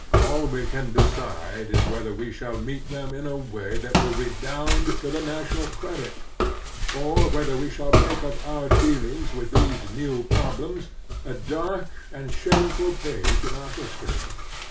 All we can decide is whether we shall meet them in a way that will redound to the national credit, or whether we shall make of our dealings with these new problems a dark and shameful page in our history.